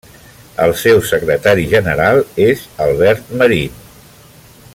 El seu Secretari General és Albert Marín.